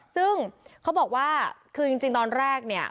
ซึ่งเขาบอกว่าคือจริงตอนแรกเนี่ย